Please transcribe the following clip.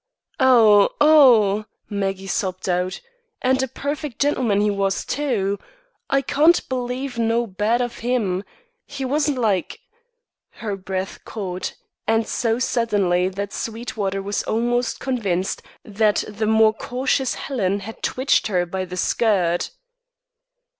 "Oh, oh," Maggie sobbed out. "And a perfect gentleman he was, too. I can't believe no bad of him. He wasn't like " Her breath caught, and so suddenly that Sweetwater was always convinced that the more cautious Helen had twitched her by her skirt.